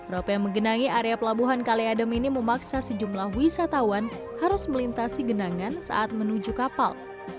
rop yang menggenangi area pelabuhan kaliadem ini memaksa sejumlah wisatawan harus melintasi genangan saat menuju kapal